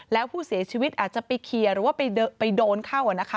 แล้วผู้เสียชีวิตอาจจะไปเคลียร์หรือว่าไปโดนเข้านะคะ